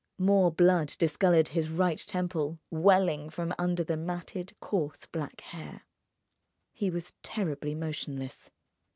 More blood discoloured his right temple, welling from under the matted, coarse black hair. He was terribly motionless.